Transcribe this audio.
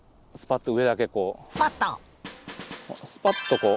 スパッとこう。